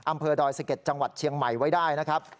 อำเภอดอยสะเก็ดจังหวัดเชียงใหม่ไว้ได้นะครับ